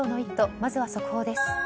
まずは速報です。